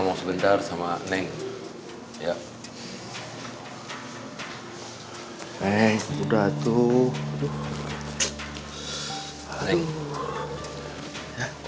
neng sudah tuh